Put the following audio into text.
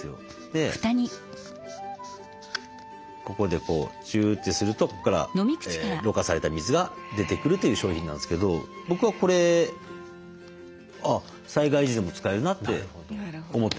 でここでこうチューッてするとここからろ過された水が出てくるという商品なんですけど僕はこれ災害時でも使えるなって思ってますけどね。